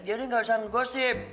jadi nggak usah ngosip